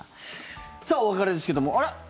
さあ、お別れですけどもあれ？